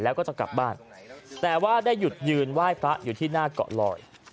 แล้วก็จะกลับบ้านแต่ว่าได้หยุดยืนไหว้พระอยู่ที่หน้าเกาะลอย